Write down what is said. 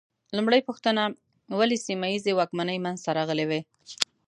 لومړۍ پوښتنه: ولې سیمه ییزې واکمنۍ منځ ته راغلې وې؟